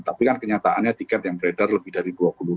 tapi kan kenyataannya tiket yang beredar lebih dari dua puluh